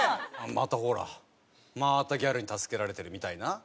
またほらまたギャルに助けられてるみたいな。